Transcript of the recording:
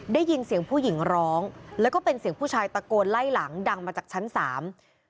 ได้ยินเสียงผู้หญิงร้องแล้วก็เป็นเสียงผู้ชายตะโกนไล่หลังดังมาจากชั้นสาม